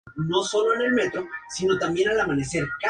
La serie es ficción, pero está basada en hechos reales.